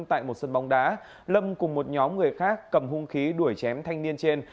tại một sân bóng đá lâm cùng một nhóm người khác cầm hung khí đuổi chém thanh niên trên